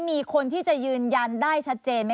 มีคนที่จะยืนยันได้ชัดเจนไหมค